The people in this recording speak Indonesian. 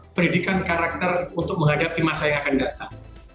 pendidikan karakter untuk menghadapi masa yang akan datang